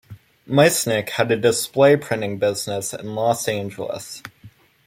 Maisnik had a display-printing business in Los Angeles.